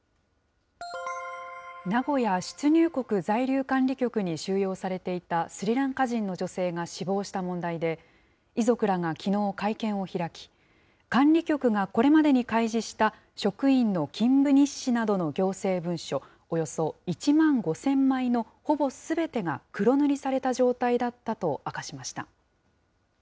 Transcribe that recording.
名古屋出入国在留管理局に収容されていたスリランカ人の女性が死亡した問題で、遺族らがきのう会見を開き、管理局がこれまでに開示した職員の勤務日誌などの行政文書、およそ１万５０００枚のほぼすべてが黒塗りされた状態だったと明かしました。